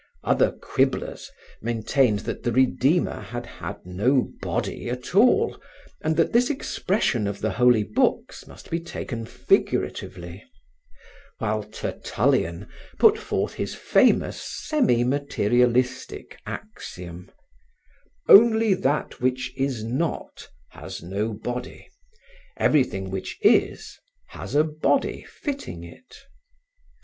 Other quibblers maintained that the Redeemer had had no body at all and that this expression of the holy books must be taken figuratively, while Tertullian put forth his famous, semi materialistic axiom: "Only that which is not, has no body; everything which is, has a body fitting it."